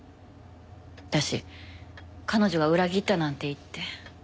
私彼女が裏切ったなんて言って。